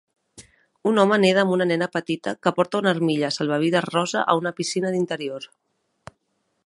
Un home neda amb una nena petita que porta una armilla salvavides rosa a una piscina d'interior.